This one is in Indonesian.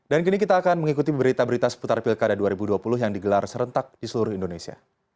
dan kini kita akan mengikuti berita berita seputar pilkada dua ribu dua puluh yang digelar serentak di seluruh indonesia